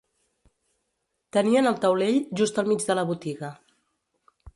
Tenien el taulell just al mig de la botiga.